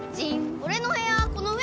俺の部屋この上？